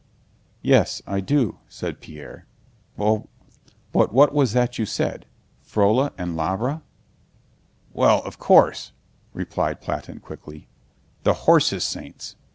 "Yes, I do," said Pierre. "But what was that you said: Frola and Lavra?" "Well, of course," replied Platón quickly, "the horses' saints.